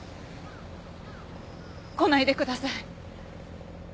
来ないでください。